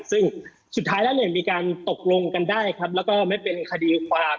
ซึ่งสุดท้ายแล้วเนี่ยมีการตกลงกันได้ครับแล้วก็ไม่เป็นคดีความ